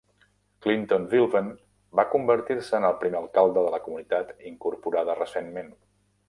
Clinton Vilven va convertir-se en el primer alcalde de la comunitat incorporada recentment.